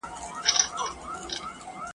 چي نه سوځم نه ایره سوم لا د شپو سینې څیرمه !.